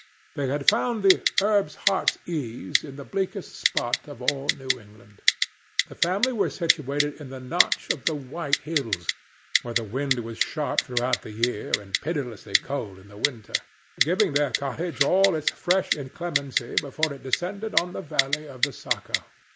They had found the "herb heart's ease" in the bleakest spot of all New England. This family were situated in the Notch of the White Hills, where the wind was sharp throughout the year and pitilessly cold in the winter, giving their cottage all its fresh inclemency before it descended on the valley of the Saco.